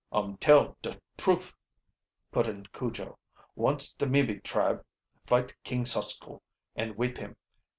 "Um tell de thruf," put in Cujo. "Once de Mimi tribe fight King Susko, and whip him.